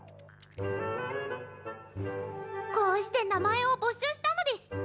こうして名前を募集したのデス！